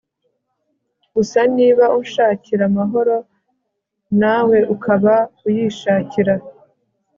gusa niba unshakira amahoro nawe ukaba uyishakira